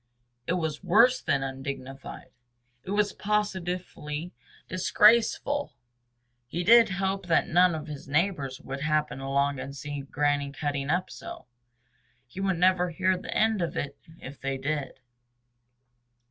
It was worse than undignified; it was positively disgraceful. He did hope that none of his neighbors would happen along and see Granny cutting up so. He never would hear the end of it if they did.